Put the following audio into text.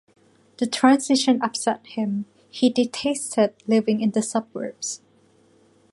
The transition upset him; he detested living in the suburbs.